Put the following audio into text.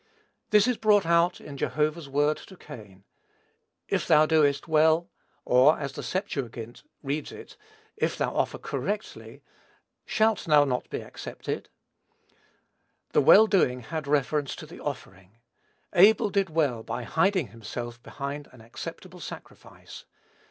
This is brought out in Jehovah's word to Cain: "If thou doest well, (or, as the LXX. reads it, if thou offer correctly, [Greek: orthôs prosenenkês],) shalt thou not be accepted?" The well doing had reference to the offering. Abel did well by hiding himself behind an acceptable sacrifice.